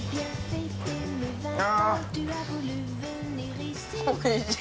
あ！